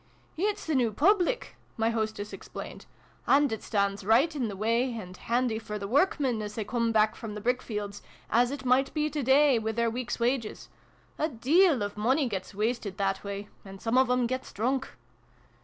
" It's the new Public," my hostess explained. " And it stands right in the way. and handy for the workmen, as they come back from the brickfields, as it might be to day, with their week's wages. A deal of money gets wasted that way. And some of 'em gets drunk."